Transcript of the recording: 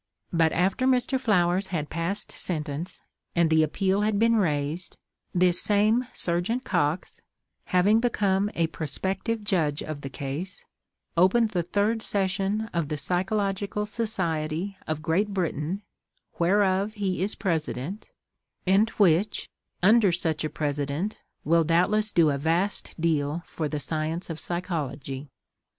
But after Mr. Flowers had passed sentence, and the appeal had been raised, this same Serjeant Cox, having become a prospective judge of the case, opened the third session of the Psychological Society of Great Britain, whereof he is president, and which, under such a president, will doubtless do a vast deal for the science of psychology.